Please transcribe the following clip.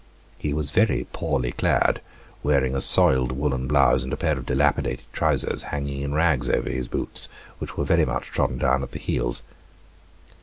He was very poorly clad, wearing a soiled woolen blouse and a pair of dilapidated trousers hanging in rags over his boots, which were very much trodden down at the heels.